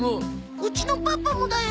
うちのパパもだよ。